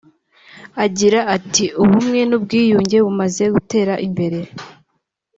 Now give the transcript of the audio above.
Agira ati ”Ubumwe n’ubwiyunge bumaze gutera imbere